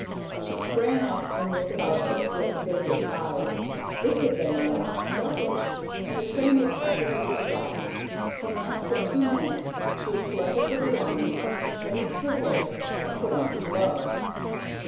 She sprang up and looked about her, with vacant eyes. This had been the last stoppage, and the train was passing through the flats. In less than two minutes she had collected her belongings, tidied her hair and put on her gloves.